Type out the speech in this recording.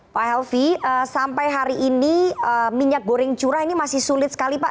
pak helvi sampai hari ini minyak goreng curah ini masih sulit sekali pak